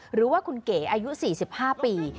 หรือว่าคุณเก๋อายุ๔๕ปี